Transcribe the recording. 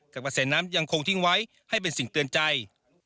แต่กระแสน้ำยังคงทิ้งไว้ให้เป็นสิ่งเตือนใจ